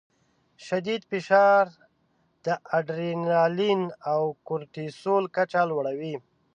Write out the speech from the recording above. شدید فشار د اډرینالین او کورټیسول کچه لوړوي.